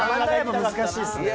難しいですね。